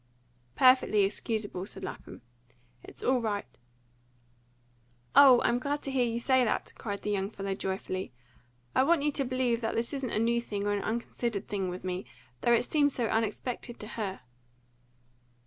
"Perfectly excusable," said Lapham. "It's all right." "Oh, I'm glad to hear you say that!" cried the young fellow joyfully. "I want you to believe that this isn't a new thing or an unconsidered thing with me though it seemed so unexpected to her."